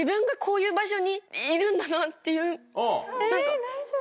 え大丈夫？